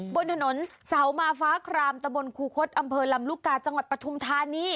บนถนนเสามาฟ้าครามตะบนครูคดอำเภอลำลูกกาจังหวัดปฐุมธานี